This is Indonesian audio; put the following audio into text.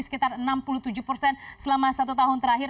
sekitar enam puluh tujuh persen selama satu tahun terakhir